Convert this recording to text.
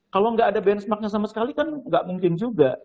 kalau nggak ada benchmarknya sama sekali kan nggak mungkin juga